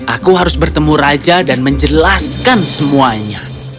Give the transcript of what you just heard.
aku harus bertemu raja dan menjelaskan semuanya